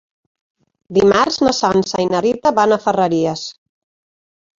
Dimarts na Sança i na Rita van a Ferreries.